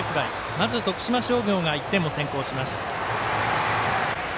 まず徳島商業が１点を先行します。